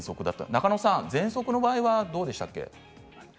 中野さん、ぜんそくの場合はどうでしたっけ？